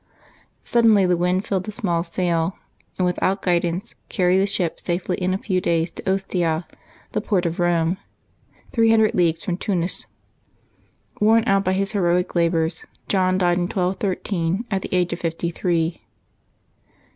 '^ Suddenly the wind filled the small sail, and, without guidance, car ried the ship safely in a few days to Ostia, the port of Eome, three hundred leagues from Tunis. Worn out by his heroic labors, John died in 1213, at the age of fifty three.